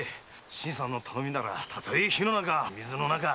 新さんの頼みならたとえ火の中水の中。